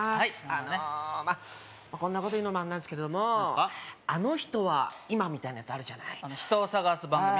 あのまあこんなこと言うのもあれなんですけども「あの人は今」みたいなやつあるじゃない人を探す番組？